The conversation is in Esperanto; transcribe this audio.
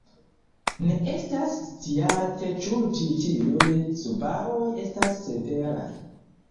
Ne estas sciate ĉu ĉi tiuj subaroj estas severaj.